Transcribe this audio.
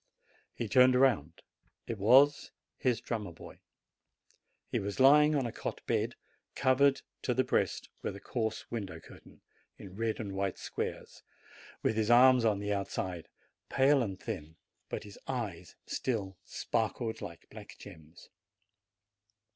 He turned round. It was his drummer boy. He was lying on a cot bed, covered to the breast with a coarse window curtain, in red and white squares, with his arms on the outside, pale and thin, but his eyes still sparkled like black gems.